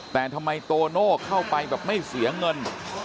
แต่ทำไมโตโน่เข้าไปแบบไม่เสียเงิน